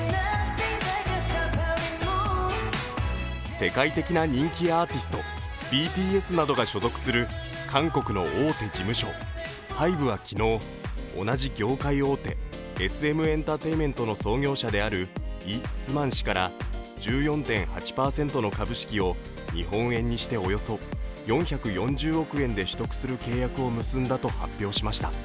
世界的な人気アーティストＢＴＳなどが所属する韓国の大手事務所・ＨＹＢＥは昨日、同じ業界大手、ＳＭエンタテインメントの創業者であるイ・スマン氏から１４．８％の株式を日本円にしておよそ４４０億円で取得する契約を結んだと発表しました。